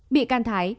bị can thái